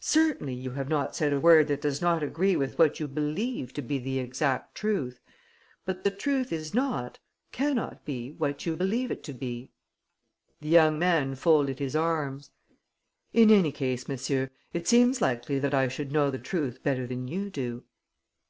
"Certainly you have not said a word that does not agree with what you believe to be the exact truth. But the truth is not, cannot be what you believe it to be." The young man folded his arms: "In any case, monsieur, it seems likely that I should know the truth better than you do."